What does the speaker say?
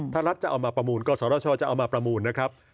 ถ้ารัฐจะเอามาประมูลก็สรชจะเอามาประมูลนะครับ